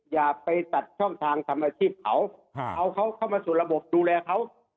อย่าไปตัดช่องทางทำอาชีพเขาเอาเขาเข้ามาสู่ระบบดูแลเขา